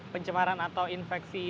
pencemaran atau infeksi